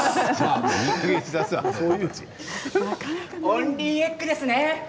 オンリーエッグでした。